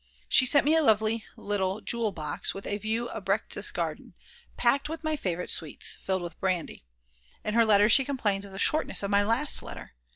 She sent me a lovely little jewel box with a view of Berchtesgaden packed with my favourite sweets, filled with brandy. In her letter she complains of the "shortness of my last letter."